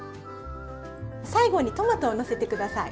最後にトマトをのせて下さい。